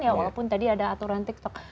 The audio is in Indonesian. ya walaupun tadi ada aturan tiktok